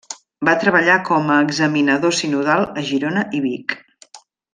Va treballar com a examinador sinodal a Girona i Vic.